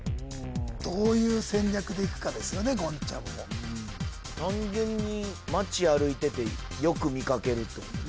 どういう戦略でいくかですよね言ちゃんも単純に街歩いててよく見かけるってことでしょ